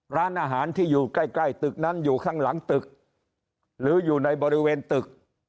ร้านอาหารที่อยู่ใกล้ใกล้ตึกนั้นอยู่ข้างหลังตึกหรืออยู่ในบริเวณตึก